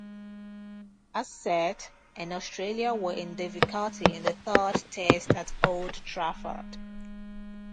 Hassett and Australia were in difficulty in the Third Test at Old Trafford.